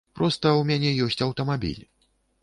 Проста, у мяне ёсць аўтамабіль.